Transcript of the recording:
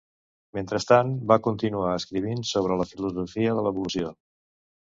Mentrestant, va continuar escrivint sobre la filosofia de l'evolució.